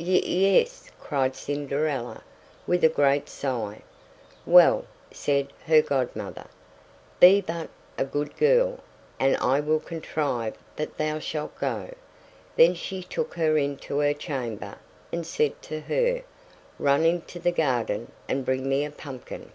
"Y es," cried Cinderella, with a great sigh. "Well," said her godmother, "be but a good girl, and I will contrive that thou shalt go." Then she took her into her chamber, and said to her, "Run into the garden, and bring me a pumpkin."